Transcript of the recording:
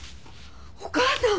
お義母さん！